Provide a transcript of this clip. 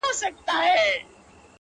ماته يې په نيمه شپه ژړلي دي”